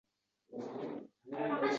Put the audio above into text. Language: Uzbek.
Ulkan va shiddatli qanotin yoyib